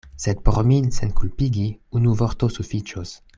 Sed por min senkulpigi unu vorto sufiĉos.